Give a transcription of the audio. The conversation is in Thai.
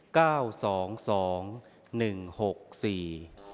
ออกรางวัลที่๖